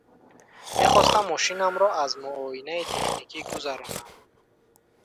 Мехостам мошинамро аз муоинаи техникӣ гузаронам.